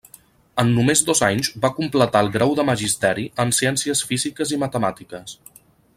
En només dos anys va completar el grau de Magisteri en ciències físiques i matemàtiques.